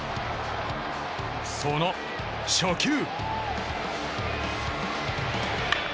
その初球。